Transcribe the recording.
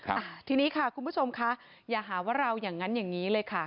ค่ะทีนี้ค่ะคุณผู้ชมค่ะอย่าหาว่าเราอย่างนั้นอย่างนี้เลยค่ะ